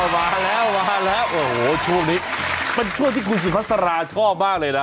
มาแล้วโอ้โหช่วงนี้มันช่วงที่กูสิพักษราชอบมากเลยนะ